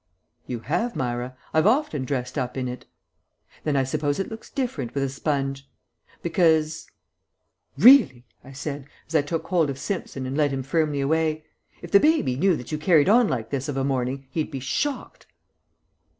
"You have, Myra. I've often dressed up in it." "Then I suppose it looks different with a sponge. Because " "Really!" I said as I took hold of Simpson and led him firmly away; "if the baby knew that you carried on like this of a morning he'd be shocked."